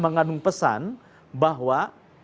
mengandung pesan bahwa